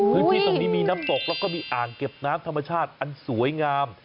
พื้นที่ตรงนี้มีน้ำตกแล้วก็มีอ่างเก็บน้ำธรรมชาติอันสวยงาม